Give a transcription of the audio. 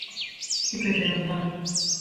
来てくれたようだな。